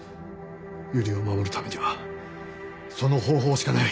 由梨を守るためにはその方法しかない。